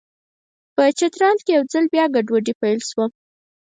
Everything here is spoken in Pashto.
په چترال کې یو ځل بیا ګډوډي پیل شوه.